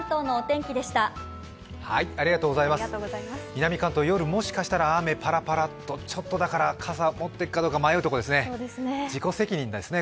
南関東、夜もしかしたら雨パラパラとちょっと傘持っていくかどうか迷うところですね。